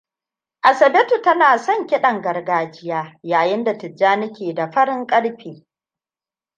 Asabetu tana son kiɗan gargajiya yayin da Tijjani ke da farin ƙarfe.